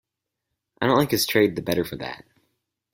I don't like his trade the better for that.